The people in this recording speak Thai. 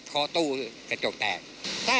เคาะตู้กระจกแตก